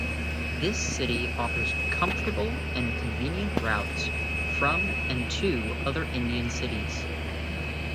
This city offers comfortable and convenient routes from and to other Indian cities.